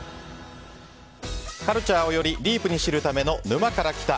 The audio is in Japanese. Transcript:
カルチャーをよりディープに知るための「沼から来た。」。